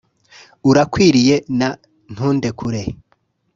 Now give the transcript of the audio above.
"Urakwiriye" na "Ntundekure"